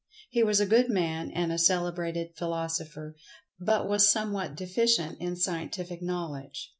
He was a good man and a celebrated philosopher, but was somewhat deficient in scientific knowledge.